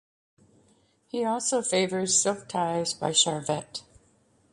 He also favors silk ties by Charvet.